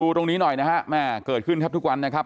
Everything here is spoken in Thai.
ตรงนี้หน่อยนะฮะแม่เกิดขึ้นแทบทุกวันนะครับ